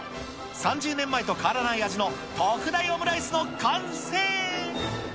３０年前と変わらない味の特大オムライスの完成。